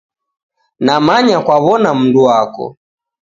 Namanya kwaw'ona mndu wako